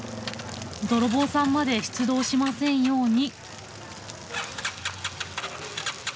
泥棒さんまで出動しませんように。